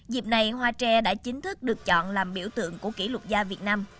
dịp này hoa tre đã chính thức được chọn làm biểu tượng của kỷ lục gia việt nam